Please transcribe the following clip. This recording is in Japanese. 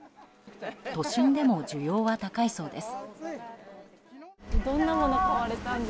都心でも需要は高いそうです。